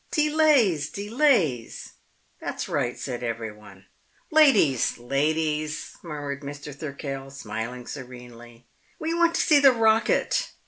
"Delays, delays!" "That's right," said everyone. "Ladies, ladies," murmured Mr. Thirkell, smiling serenely. "We want to see the rocket!"